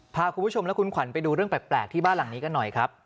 พาคุณผู้ชมและคุณขวัญไปดูเรื่องแปลกที่บ้านหลังนี้กันหน่อยครับ